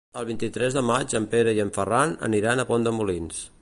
El vint-i-tres de maig en Pere i en Ferran aniran a Pont de Molins.